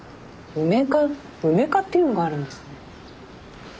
うめ課っていうのがあるんですね。